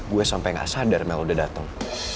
gue sampe gak sadar mel udah dateng